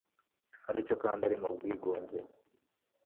ari cyo kandi ari mu bwigunge